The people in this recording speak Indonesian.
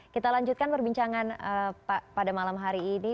kita lanjutkan perbincangan pada malam hari ini